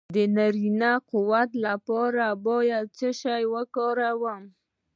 د نارینه قوت لپاره باید څه شی وکاروم؟